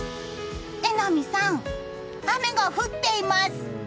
榎並さん、雨が降っています。